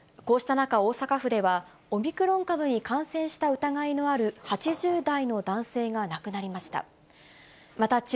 こうした中、大阪府では、オミクロン株に感染した疑いのある８０代の男性が亡くなりました。